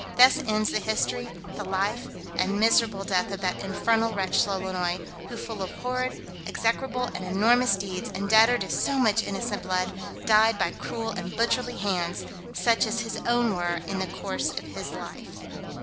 Thus ends the history, the life, and miserable death of that infernal wretch Lolonois, who full of horrid, execrable, and enormous deeds, and debtor to so much innocent blood, died by cruel and butcherly hands, such as his own were in the course of his life.